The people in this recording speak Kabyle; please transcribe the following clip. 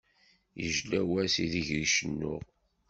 Yejla wass ideg cennuɣ.